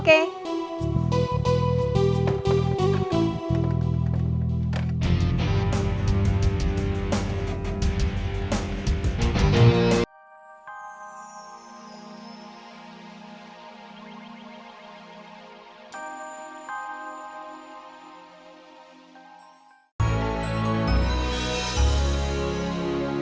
kau bisa berjaya